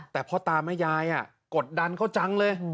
แต่พ่อตาแม่ยายกดดันเขาจังเลย